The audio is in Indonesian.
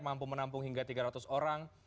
mampu menampung hingga tiga ratus orang